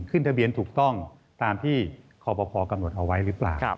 ขึ้นทะเบียนถูกต้องตามที่คอปคกำหนดเอาไว้หรือเปล่า